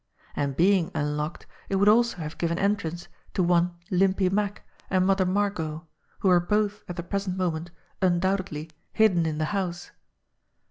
And being unlocked it would also have given entrance to one Limpy Mack and Mother Margot, who were both at the present moment undoubtedly hidden in the house.